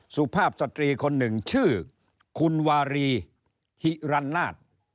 สุภาพสตรีคนหนึ่งชื่อคุณวารีฮิรันนาฏ